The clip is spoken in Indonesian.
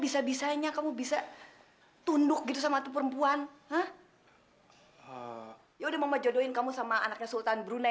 sampai jumpa di video selanjutnya